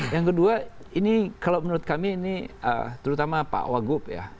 yang kedua ini kalau menurut kami ini terutama pak wagub ya